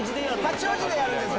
八王子でやるんです。